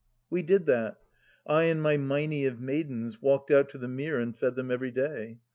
We did that. I and my Meinie of maidens walked out to the mere and fed them every day.